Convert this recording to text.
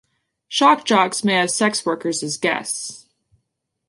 Shock jocks may have sex workers as guests.